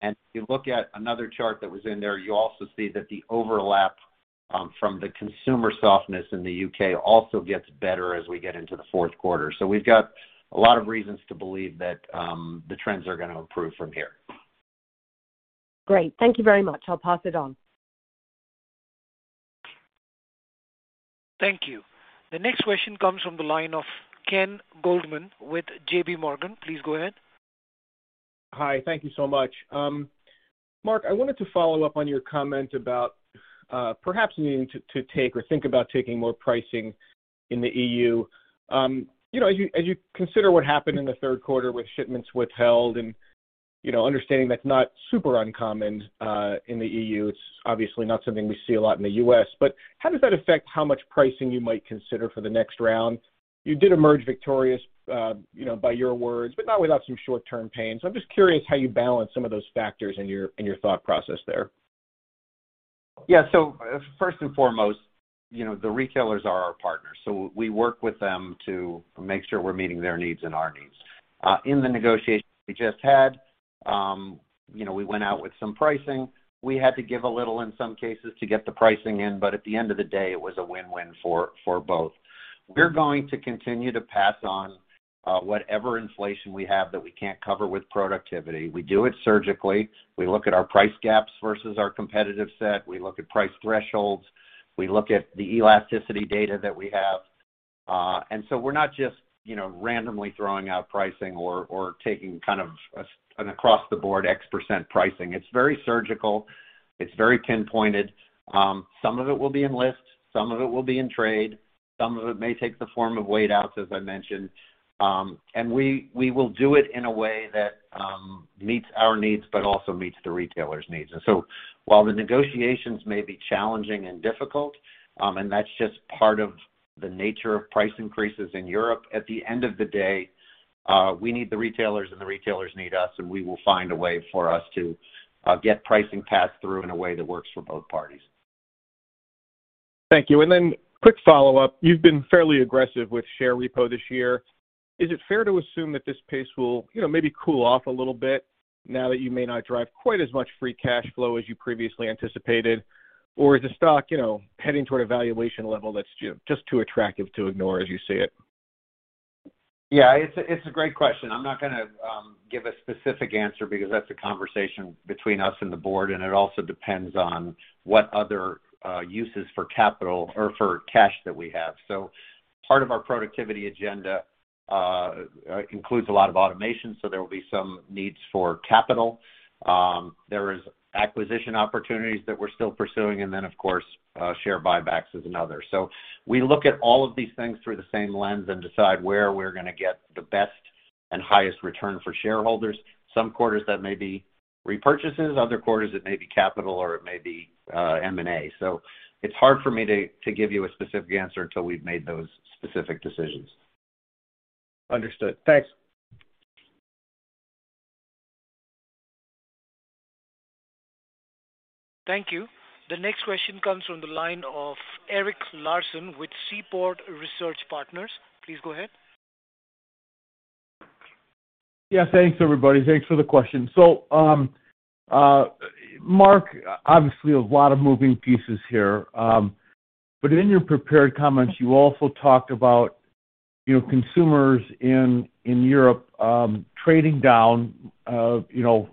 If you look at another chart that was in there, you also see that the overlap from the consumer softness in the U.K. also gets better as we get into the fourth quarter. We've got a lot of reasons to believe that the trends are gonna improve from here. Great. Thank you very much. I'll pass it on. Thank you. The next question comes from the line of Ken Goldman with JPMorgan. Please go ahead. Hi. Thank you so much. Mark, I wanted to follow up on your comment about perhaps needing to take or think about taking more pricing in the EU. As you consider what happened in the third quarter with shipments withheld and understanding that's not super uncommon in the EU, it's obviously not something we see a lot in the U.S., but how does that affect how much pricing you might consider for the next round? You did emerge victorious, by your words, but not without some short-term pain. I'm just curious how you balance some of those factors in your thought process there. Yeah. First and foremost, the retailers are our partners, so we work with them to make sure we're meeting their needs and our needs. In the negotiations we just had, we went out with some pricing. We had to give a little in some cases to get the pricing in, but at the end of the day, it was a win-win for both. We're going to continue to pass on whatever inflation we have that we can't cover with productivity. We do it surgically. We look at our price gaps versus our competitive set. We look at price thresholds. We look at the elasticity data that we have. We're not just randomly throwing out pricing or taking kind of an across-the-board, X% pricing. It's very surgical. It's very pinpointed. Some of it will be in list, some of it will be in trade, some of it may take the form of weight outs, as I mentioned. We will do it in a way that meets our needs, but also meets the retailers' needs. While the negotiations may be challenging and difficult, and that's just part of the nature of price increases in Europe, at the end of the day, we need the retailers, and the retailers need us, and we will find a way for us to get pricing passed through in a way that works for both parties. Thank you. Quick follow-up, you've been fairly aggressive with share repo this year. Is it fair to assume that this pace will maybe cool off a little bit now that you may not drive quite as much free cash flow as you previously anticipated? Or is the stock heading toward a valuation level that's just too attractive to ignore as you see it? Yeah, it's a great question. I'm not gonna give a specific answer because that's a conversation between us and the board, and it also depends on what other uses for capital or for cash that we have. Part of our productivity agenda includes a lot of automation, so there will be some needs for capital. There is acquisition opportunities that we're still pursuing, and then, of course, share buybacks is another. We look at all of these things through the same lens and decide where we're gonna get the best and highest return for shareholders. Some quarters that may be repurchases, other quarters it may be capital, or it may be M&A. It's hard for me to give you a specific answer until we've made those specific decisions. Understood. Thanks. Thank you. The next question comes from the line of Eric Larson with Seaport Research Partners. Please go ahead. Yeah, thanks, everybody. Thanks for the question. Mark, obviously, a lot of moving pieces here. In your prepared comments, you also talked about consumers in Europe trading down, you know.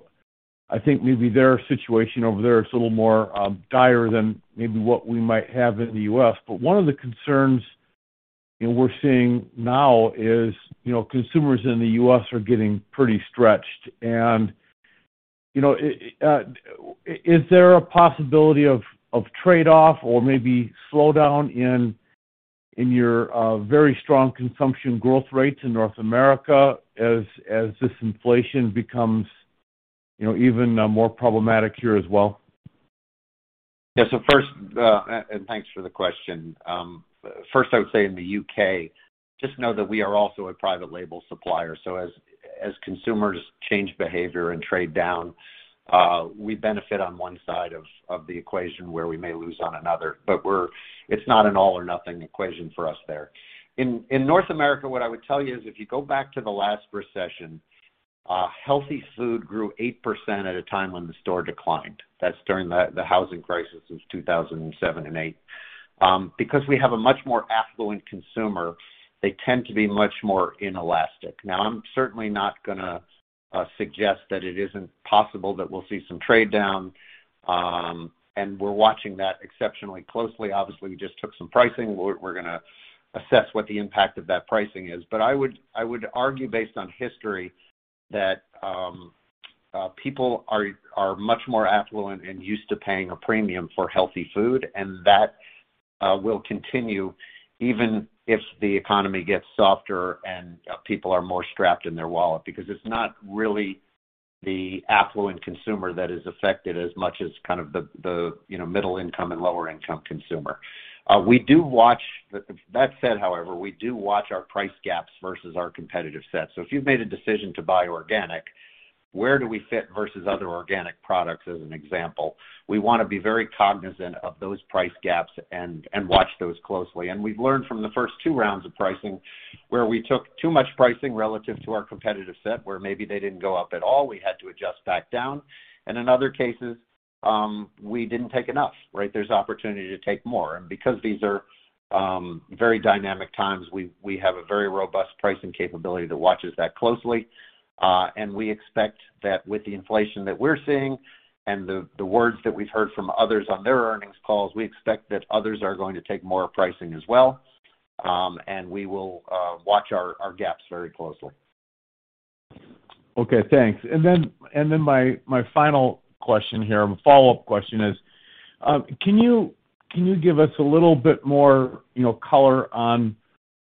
I think maybe their situation over there is a little more dire than maybe what we might have in the U.S. One of the concerns we're seeing now is, consumers in the U.S. are getting pretty stretched. is there a possibility of a trade-off or maybe slowdown in your very strong consumption growth rates in North America as this inflation becomes even more problematic here as well? Yeah. First, and thanks for the question. First, I would say in the U.K., just know that we are also a private label supplier. As consumers change behaviour and trade down, we benefit on one side of the equation where we may lose on another, but it's not an all-or-nothing equation for us there. In North America, what I would tell you is, if you go back to the last recession, healthy food grew 8% at a time when the store declined. That's during the housing crisis of 2007 and 2008. Because we have a much more affluent consumer, they tend to be much more inelastic. Now, I'm certainly not gonna suggest that it isn't possible that we'll see some trade down. We're watching that exceptionally closely. Obviously, we just took some pricing. We're gonna assess what the impact of that pricing is. I would argue based on history that people are much more affluent and used to paying a premium for healthy food, and that will continue even if the economy gets softer and people are more strapped in their wallet, because it's not really the affluent consumer that is affected as much as kind of the middle-income and lower-income consumer. That said, however, we do watch our price gaps versus our competitive set. If you've made a decision to buy organic, where do we fit versus other organic products, as an example? We wanna be very cognizant of those price gaps and watch those closely. We've learned from the first two rounds of pricing, where we took too much pricing relative to our competitive set, where maybe they didn't go up at all, we had to adjust back down. In other cases, we didn't take enough, right? There's opportunity to take more. Because these are very dynamic times, we have a very robust pricing capability that watches that closely. We expect that with the inflation that we're seeing and the words that we've heard from others on their earnings calls, we expect that others are going to take more pricing as well. We will watch our gaps very closely. Okay, thanks. My final question here, a follow-up question, is, can you give us a little bit more color on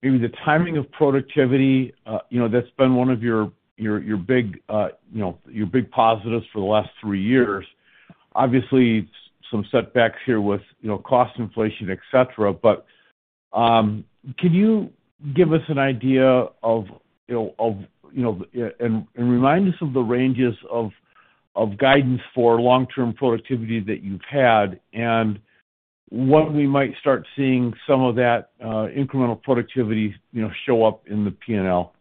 maybe the timing of productivity? That's been one of your big positives for the last three years. Obviously, some setbacks here with cost inflation, et cetera. Can you give us an idea of, you know, and remind us of the ranges of guidance for long-term productivity that you've had and when we might start seeing some of that, incremental productivity, show up in the P&L?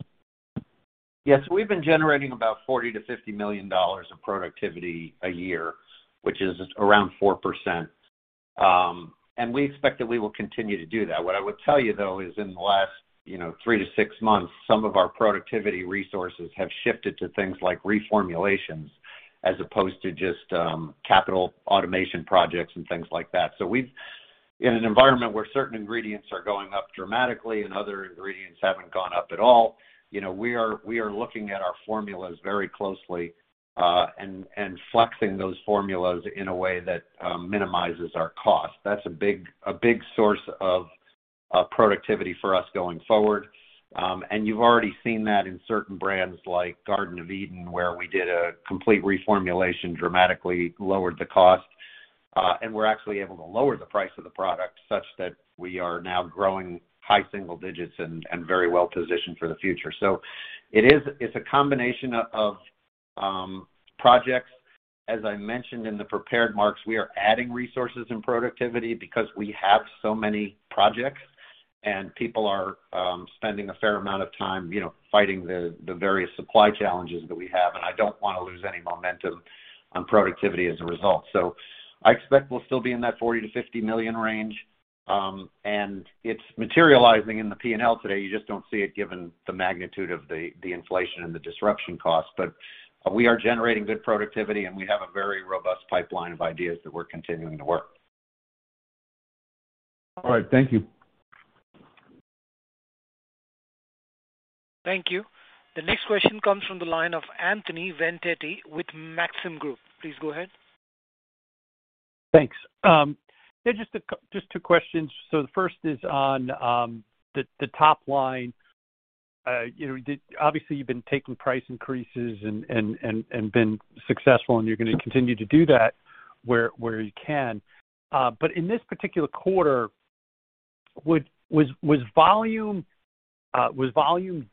Yes. We've been generating about $40 million-$50 million of productivity a year, which is around 4%. We expect that we will continue to do that. What I would tell you, though, is in the last three, six months, some of our productivity resources have shifted to things like reformulations as opposed to just capital automation projects and things like that. In an environment where certain ingredients are going up dramatically, and other ingredients haven't gone up at all, you know, we are looking at our formulas very closely and flexing those formulas in a way that minimizes our cost. That's a big source of productivity for us going forward. You've already seen that in certain brands like Garden of Eatin', where we did a complete reformulation, dramatically lowered the cost, and we're actually able to lower the price of the product such that we are now growing high single digits and very well positioned for the future. It's a combination of projects. As I mentioned in the prepared remarks, we are adding resources in productivity because we have so many projects and people are spending a fair amount of time fighting the various supply challenges that we have. I don't wanna lose any momentum on productivity as a result. I expect we'll still be in that $40 million-$50 million range. It's materializing in the P&L today. You just don't see it given the magnitude of the inflation and the disruption cost. We are generating good productivity, and we have a very robust pipeline of ideas that we're continuing to work. All right. Thank you. Thank you. The next question comes from the line of Anthony Vendetti with Maxim Group. Please go ahead. Thanks. Yeah, just two questions. The first is on the top line. Obviously, you've been taking price increases and been successful, and you're gonna continue to do that where you can. But in this particular quarter, was volume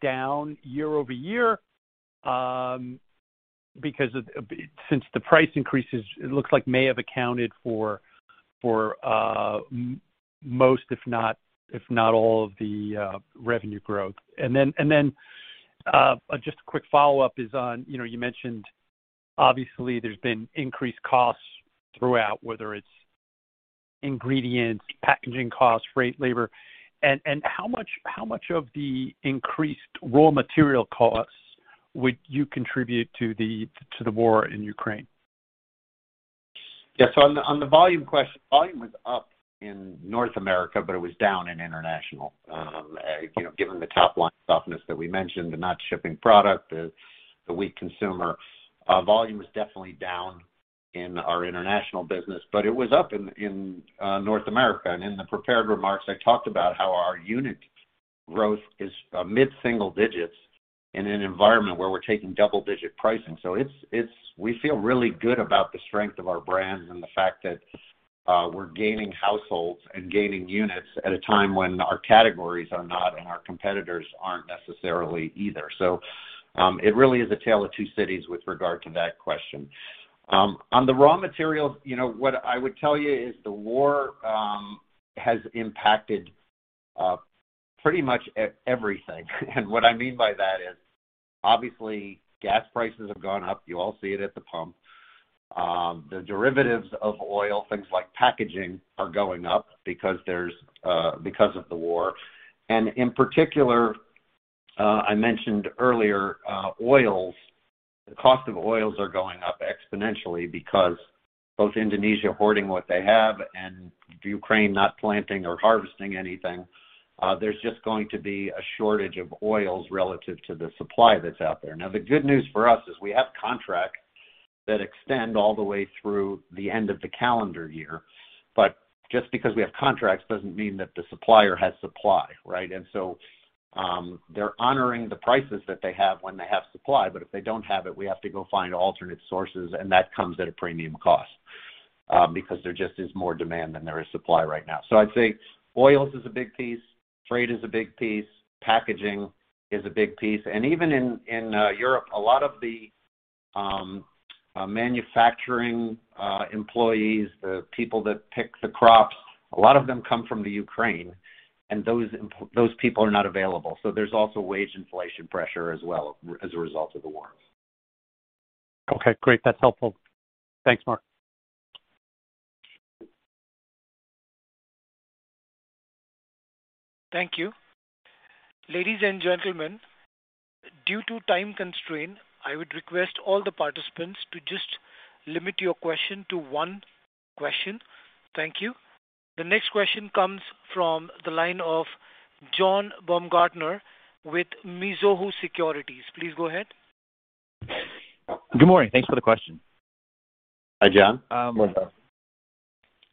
down year-over-year? Since the price increases, it looks like may have accounted for most, if not all, of the revenue growth. Then just a quick follow-up is on, you mentioned obviously there's been increased costs throughout, whether it's ingredients, packaging costs, freight, labor. How much of the increased raw material costs would you contribute to the war in Ukraine? Yeah. On the volume question, volume was up in North America, but it was down in international. Given the top line softness that we mentioned, the not shipping product, the weak consumer, volume was definitely down in our international business. It was up in North America. In the prepared remarks, I talked about how our unit growth is mid-single digits in an environment where we're taking double-digit pricing. It's. We feel really good about the strength of our brands and the fact that we're gaining households and gaining units at a time when our categories are not and our competitors aren't necessarily either. It really is a tale of two cities with regard to that question. On the raw materials, what I would tell you is the war has impacted pretty much everything. What I mean by that is obviously gas prices have gone up. You all see it at the pump. The derivatives of oil, things like packaging, are going up because of the war. In particular, I mentioned earlier, oils. The cost of oils are going up exponentially because both Indonesia hoarding what they have and Ukraine not planting or harvesting anything, there's just going to be a shortage of oils relative to the supply that's out there. Now, the good news for us is we have contracts that extend all the way through the end of the calendar year. Just because we have contracts doesn't mean that the supplier has supply, right? They're honouring the prices that they have when they have supply, but if they don't have it, we have to go find alternate sources, and that comes at a premium cost, because there just is more demand than there is supply right now. I'd say oils is a big piece, freight is a big piece, packaging is a big piece. Even in Europe, a lot of the manufacturing employees, the people that pick the crops, a lot of them come from Ukraine, and those people are not available. There's also wage inflation pressure as well as a result of the war. Okay, great. That's helpful. Thanks, Mark. Thank you. Ladies and gentlemen, due to time constraints, I would request all the participants to just limit your question to one question. Thank you. The next question comes from the line of John Baumgartner with Mizuho Securities. Please go ahead. Good morning. Thanks for the question. Hi, John. How are you?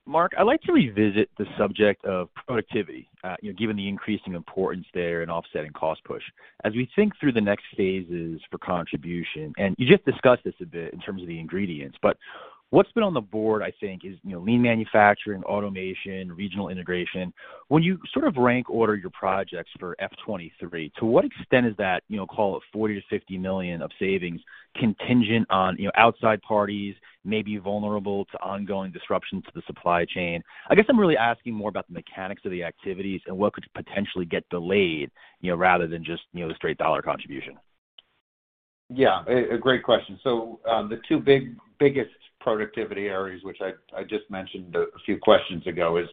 Mark, I'd like to revisit the subject of productivity, given the increasing importance there in offsetting cost push. As we think through the next phases for contribution, and you just discussed this a bit in terms of the ingredients, but what's been on the board, I think, is, you know, lean manufacturing, automation, regional integration. When you sort of rank order your projects for FY 2023, to what extent is that, you know, call it $40 million-$50 million of savings contingent on outside parties may be vulnerable to ongoing disruptions to the supply chain? I guess I'm really asking more about the mechanics of the activities and what could potentially get delayed, rather than just the straight dollar contribution. That's a great question. The two biggest productivity areas, which I just mentioned a few questions ago, are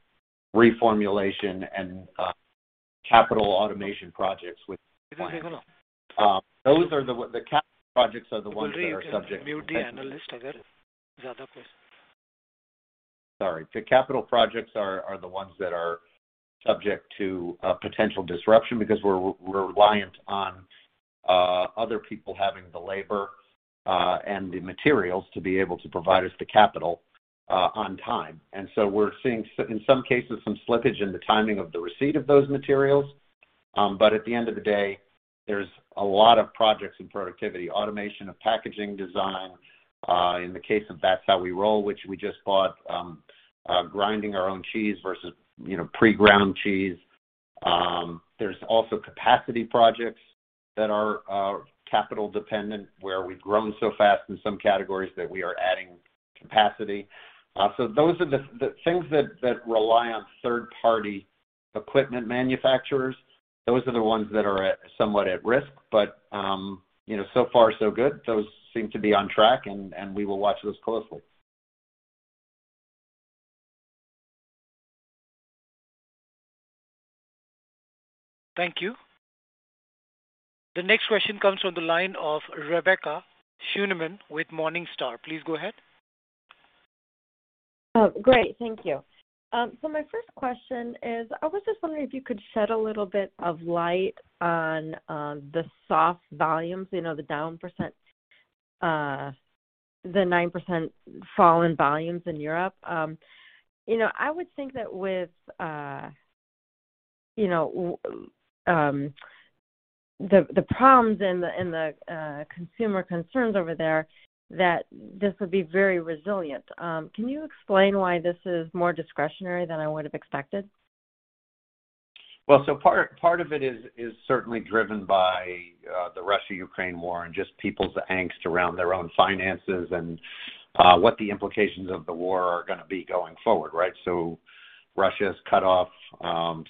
reformulation and capital automation projects. The capital projects are the ones that are subject to... Could you mute the analyst? Sorry. The capital projects are the ones that are subject to potential disruption because we're reliant on other people having the labor and the materials to be able to provide us the capital on time. We're seeing in some cases some slippage in the timing of the receipt of those materials. At the end of the day, there's a lot of projects in productivity, automation of packaging design, in the case of That's How We Roll, which we just bought, grinding our own cheese versus pre-ground cheese. There's also capacity projects that are capital dependent, where we've grown so fast in some categories that we are adding capacity. Those are the things that rely on third-party equipment manufacturers, those are the ones that are somewhat at risk. So far so good. Those seem to be on track, and we will watch those closely. Thank you. The next question comes from the line of Rebecca Scheuneman with Morningstar. Please go ahead. Oh, great. Thank you. So my first question is, I was just wondering if you could shed a little bit of light on the soft volumes, the down percent, the 9% fall in volumes in Europe. I would think that with the problems and the consumer concerns over there that, this would be very resilient. Can you explain why this is more discretionary than I would have expected? Well, part of it is certainly driven by the Russia-Ukraine war and just people's angst around their own finances and what the implications of the war are gonna be going forward, right? Russia has cut off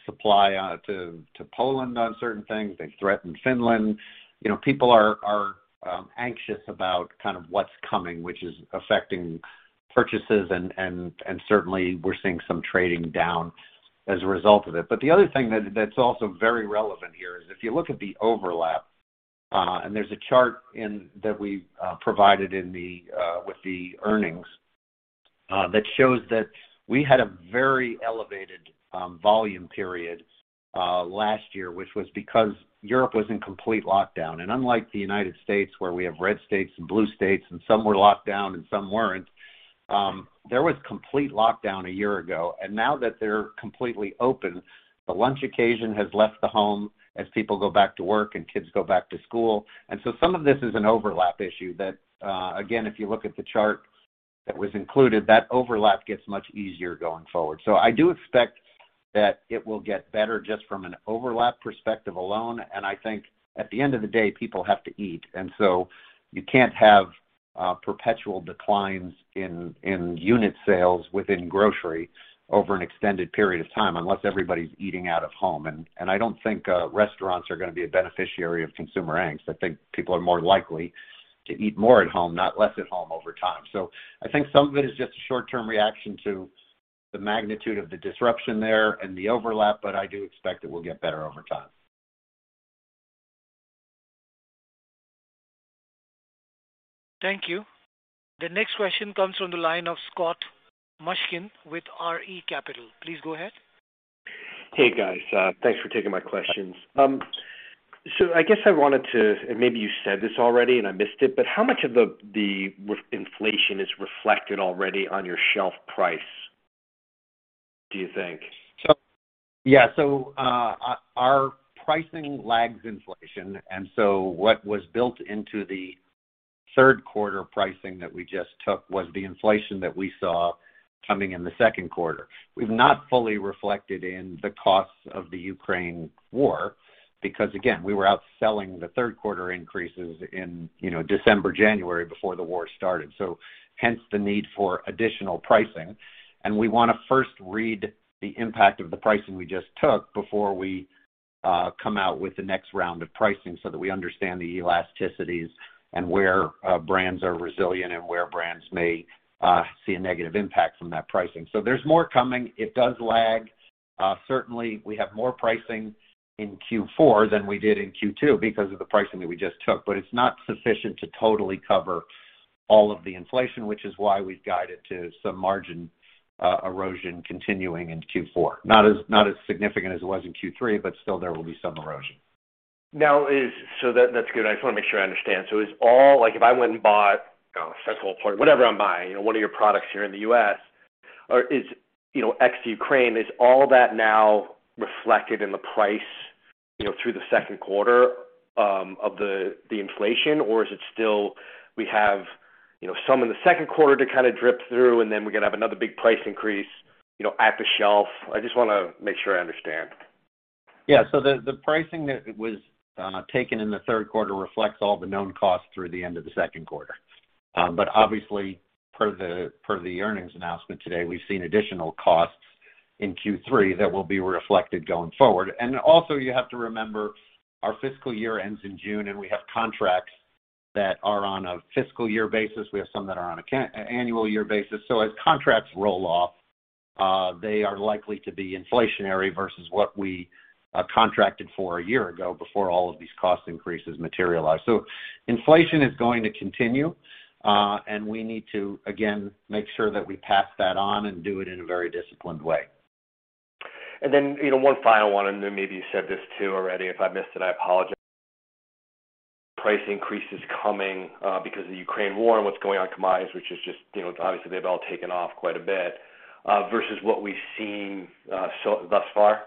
supply to Poland on certain things. They've threatened Finland. You know, people are anxious about kind of what's coming, which is affecting purchases and certainly we're seeing some trading down as a result of it. The other thing that's also very relevant here is if you look at the overlap, and there's a chart that we provided with the earnings that shows that we had a very elevated volume period last year, which was because Europe was in complete lockdown. Unlike the United States, where we have red states and blue states, and some were locked down, and some weren't, there was complete lockdown a year ago. Now that they're completely open, the lunch occasion has left the home as people go back to work and kids go back to school. Some of this is an overlap issue that, again, if you look at the chart that was included, that overlap gets much easier going forward. I do expect that it will get better just from an overlap perspective alone. I think at the end of the day, people have to eat. You can't have perpetual declines in unit sales within grocery over an extended period of time unless everybody's eating out of home. I don't think restaurants are gonna be a beneficiary of consumer angst. I think people are more likely to eat more at home, not less at home, over time. I think some of it is just a short-term reaction to the magnitude of the disruption there and the overlap, but I do expect it will get better over time. Thank you. The next question comes from the line of Scott Mushkin with R5 Capital. Please go ahead. Hey, guys. Thanks for taking my questions. I guess I wanted to, and maybe you said this already, and I missed it, but how much of the inflation is reflected already on your shelf price, do you think? Yeah. Our pricing lags inflation, and what was built into the third-quarter pricing that we just took was the inflation that we saw coming in the second quarter. We've not fully reflected the costs of the Ukraine war because, again, we were out selling the third quarter increases in December, January before the war started. Hence, the need for additional pricing. We wanna first feel the impact of the pricing we just took before we come out with the next round of pricing, so that we understand the elasticities and where brands are resilient and where brands may see a negative impact from that pricing. There's more coming. It does lag. Certainly, we have more pricing in Q4 than we did in Q2 because of the pricing that we just took. It's not sufficient to totally cover all of the inflation, which is why we've guided to some margin erosion continuing into Q4. Not as significant as it was in Q3, but still, there will be some erosion. That's good. I just wanna make sure I understand. Is all like, if I went and bought, I don't know, a Sensible Portions, whatever I'm buying one of your products here in the U.S. or is ex Ukraine, is all that now reflected in the price through the second quarter, of the inflation, or is it still we have some in the second quarter to kinda drip through, and then we're gonna have another big price increase at the shelf? I just wanna make sure I understand. Yeah. The pricing that was taken in the third quarter reflects all the known costs through the end of the second quarter. Obviously, per the earnings announcement today, we've seen additional costs in Q3 that will be reflected going forward. Also, you have to remember our fiscal year ends in June, and we have contracts that are on a fiscal year basis. We have some that are on a calendar-year basis. As contracts roll off, they are likely to be inflationary versus what we contracted for a year ago, before all of these cost increases materialize. Inflation is going to continue, and we need to, again, make sure that we pass that on and do it in a very disciplined way. One final one, and then maybe you said this too already. If I missed it, I apologize. Price increases coming because of the Ukraine war and what's going on commodities, which is just, you know, obviously they've all taken off quite a bit, versus what we've seen thus far.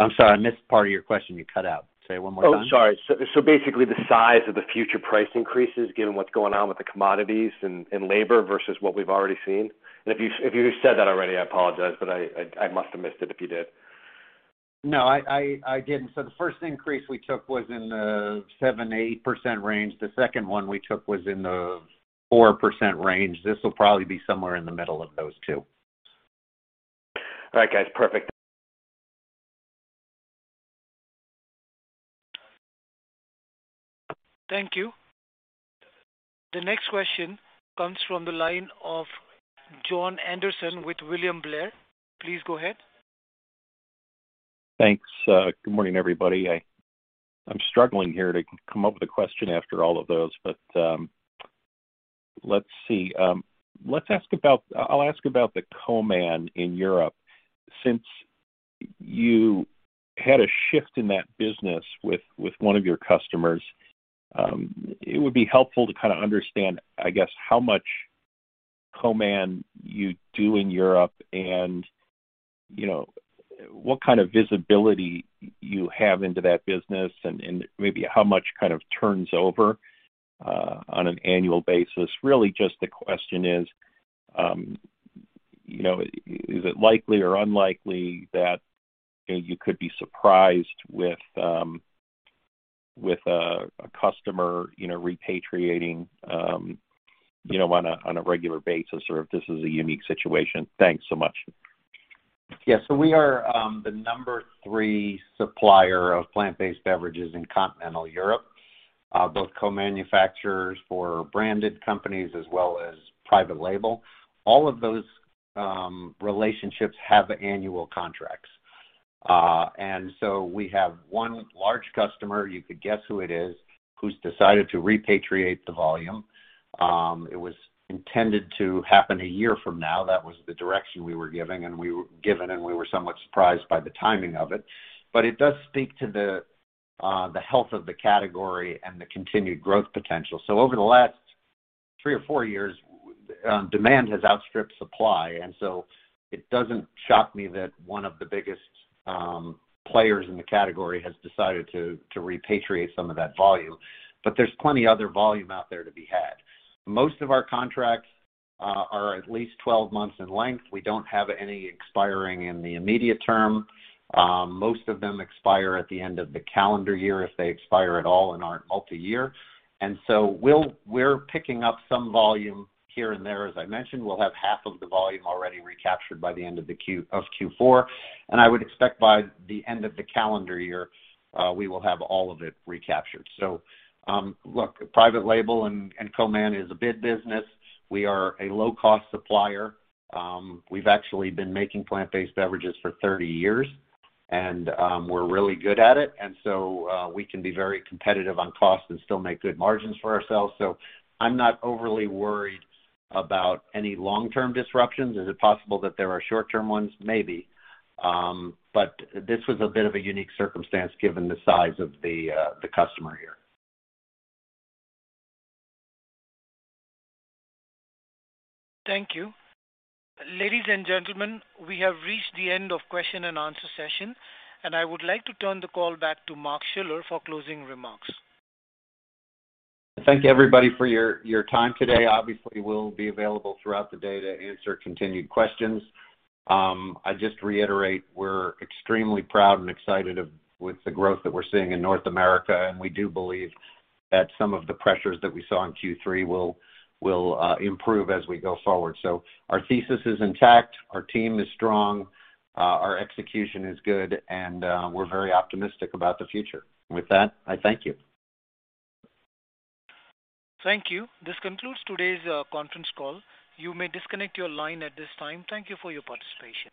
I'm sorry, I missed part of your question. You cut out. Say it one more time. Oh, sorry. Basically, the size of the future price increases given what's going on with the commodities and labor versus what we've already seen. If you just said that already, I apologize, but I must have missed it if you did. No, I didn't. The first increase we took was in the 7%-8% range. The second one we took was in the 4% range. This will probably be somewhere in the middle of those two. All right, guys. Perfect. Thank you. The next question comes from the line of Jon Andersen with William Blair. Please go ahead. Thanks. Good morning, everybody. I'm struggling here to come up with a question after all of those, but let's see. I'll ask about the co-man in Europe. Since you had a shift in that business with one of your customers, it would be helpful to kinda understand, I guess, how much co-man you do in Europe and what kind of visibility you have into that business and maybe how much kind of turns over on an annual basis. Really, just the question is it likely or unlikely that you could be surprised with a customer repatriating on a regular basis, or if this is a unique situation. Thanks so much. Yeah. We are the number three supplier of plant-based beverages in continental Europe, both co-manufacturers for branded companies as well as private label. All of those relationships have annual contracts. We have one large customer, you could guess who it is, who's decided to repatriate the volume. It was intended to happen a year from now. That was the direction we were giving. We were somewhat surprised by the timing of it. It does speak to the health of the category and the continued growth potential. Over the last three or four years, demand has outstripped supply. It doesn't shock me that one of the biggest players in the category has decided to repatriate some of that volume. There's plenty other volume out there to be had. Most of our contracts are at least 12 months in length. We don't have any expiring in the immediate term. Most of them expire at the end of the calendar year, if they expire at all and aren't multi-year. We're picking up some volume here and there. As I mentioned, we'll have half of the volume already recaptured by the end of Q4. I would expect by the end of the calendar year, we will have all of it recaptured. Look, private label and co-man is a big business. We are a low-cost supplier. We've actually been making plant-based beverages for 30 years, and we're really good at it. We can be very competitive on cost and still make good margins for ourselves. I'm not overly worried about any long-term disruptions. Is it possible that there are short-term ones? Maybe. This was a bit of a unique circumstance given the size of the customer here. Thank you. Ladies and gentlemen, we have reached the end of question and answer session, and I would like to turn the call back to Mark Schiller for closing remarks. Thank you, everybody, for your time today. Obviously, we'll be available throughout the day to answer continued questions. I just reiterate, we're extremely proud and excited with the growth that we're seeing in North America, and we do believe that some of the pressures that we saw in Q3 will improve as we go forward. Our thesis is intact, our team is strong, our execution is good, and we're very optimistic about the future. With that, I thank you. Thank you. This concludes today's conference call. You may disconnect your line at this time. Thank you for your participation.